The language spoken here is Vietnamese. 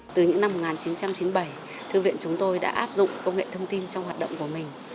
từ những năm một nghìn chín trăm chín mươi bảy thư viện chúng tôi đã áp dụng công nghệ thông tin trong hoạt động của mình